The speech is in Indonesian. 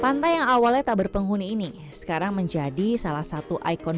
pantai yang awalnya tak berpenghuni ini sekarang menjadi salah satu ikon